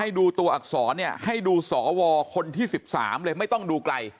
ดูตัวอักษรเนี่ยให้ดูสวคนที่๑๓เลยไม่ต้องดูไกล